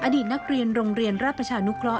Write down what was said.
อดีตนักเรียนรกเรียนราชนุกะ๒๖จังหวัดลำพูน